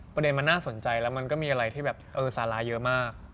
ประเด็นมันน่าสนใจแล้วมันก็มีอะไรที่แบบเออซาร่าเยอะมาก